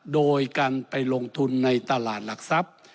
โดยการไปลงทุนในตลาดหลักทรัพย์